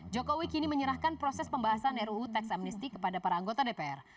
jokowi kini menyerahkan proses pembahasan ruu teks amnesty kepada para anggota dpr